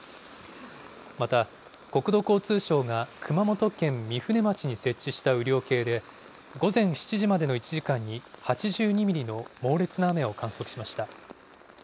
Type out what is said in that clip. また国土交通省が熊本県御船町に設置した雨量計で、午前７時までの１時間に８２ミリの猛烈な雨を観測しました。